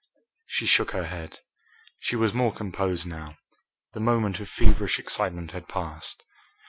She shook her head. She was more composed now. The moment of feverish excitement had passed.